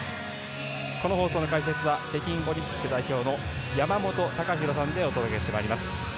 この放送の解説は北京オリンピック代表の山本隆弘さんでお届けします。